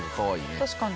確かに。